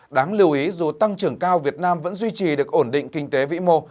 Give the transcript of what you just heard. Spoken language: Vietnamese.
đáng lưu ý dù tăng trưởng cao việt nam vẫn duy trì được ổn định kinh tế vĩ mô